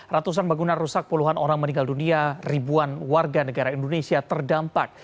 ratusan bangunan rusak puluhan orang meninggal dunia ribuan warga negara indonesia terdampak